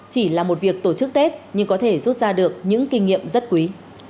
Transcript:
chỉ là một việc tổ chức tết nhưng có thể rút ra được những kinh nghiệm rất quý